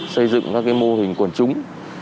xây dựng các mô hình quần chúng